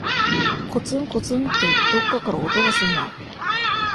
こつんこつんって、どっかから音がすんの。